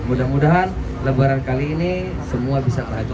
mudah mudahan lebaran kali ini semua bisa terhaju